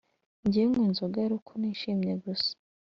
Njyewe nywa inzoga aruko nishimye gusa